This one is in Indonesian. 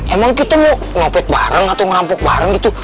emang kita mau ngopet bareng atau ngerampok bareng gitu